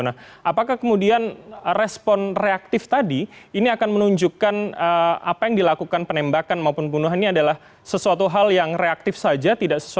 nah apakah kemudian respon reaktif tadi ini akan menunjukkan apa yang dilakukan penembakan maupun pembunuhan ini adalah sesuatu hal yang reaktif saja